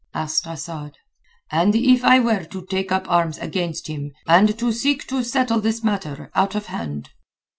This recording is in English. asked Asad. "And if I were to take up arms against him, and to seek to settle this matter out of hand?"